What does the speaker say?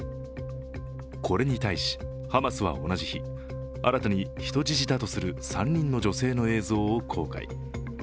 これに対し、ハマスは同じ日新たに人質だとする３人の女性の映像を公開。